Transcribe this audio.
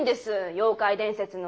妖怪伝説の。